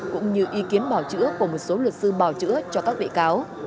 cũng như ý kiến bảo chữa của một số luật sư bảo chữa cho các bị cáo